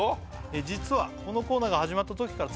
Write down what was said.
「実はこのコーナーが始まったときから」